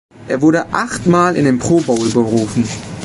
Er wurde achtmal in den Pro Bowl berufen.